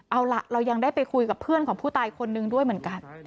เอาล่ะเรายังได้ไปคุยกับเพื่อนของผู้ตายคนนึงด้วยเหมือนกัน